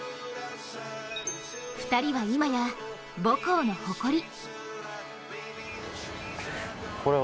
２人は今や、母校の誇り。